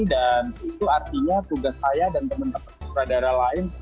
dan itu artinya tugas saya dan teman teman surat surat daerah lain